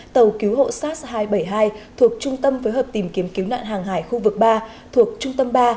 tàu cứu hộ sars hai trăm bảy mươi hai thuộc trung tâm phối hợp tìm kiếm cứu nạn hàng hải khu vực ba thuộc trung tâm ba